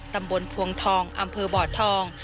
ตำบลพวงทองอำเภอบ่อทอง